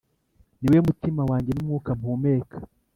niwe mutima wanjye, n'umwuka mpumeka.